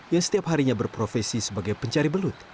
yang setiap harinya berprofesi sebagai pencari belut